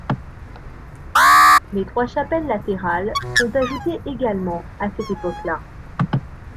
Les trois chapelles latérales sont ajoutées également à cette époque-là.